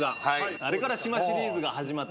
あれから島シリーズが始まった。